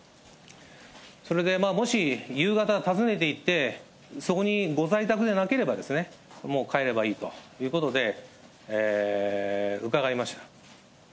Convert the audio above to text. それでもし夕方訪ねて行ってそこにご在宅でなければ、もう帰ればいいということで、伺いました。